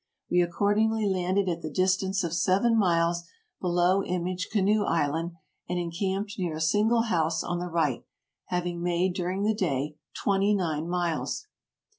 We accordingly landed at the distance of seven miles below Image Canoe Island, and en camped near a single house on the right, having made during the day twenty nine miles.